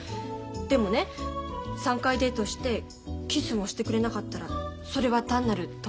でもね３回デートしてキスもしてくれなかったらそれは単なる友達なんだって。